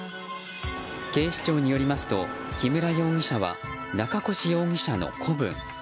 警視庁によりますと木村容疑者は中越容疑者の子分。